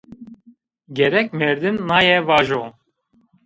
Gerek merdim naye vajo